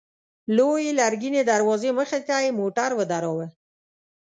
لويې لرګينې دروازې مخته يې موټر ودراوه.